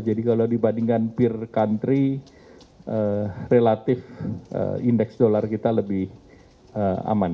jadi kalau dibandingkan peer country relatif indeks dolar kita lebih aman